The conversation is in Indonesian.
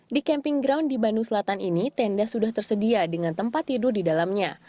di camping ground di bandung selatan ini tenda sudah tersedia dengan tempat tidur di dalamnya